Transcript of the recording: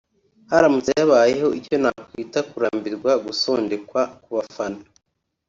Haramutse habayeho iki nakwita kurambirwa gusondekwa ku bafana